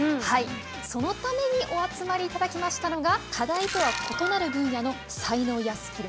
そのためにお集まり頂きましたのが課題とは異なる分野の才能やスキル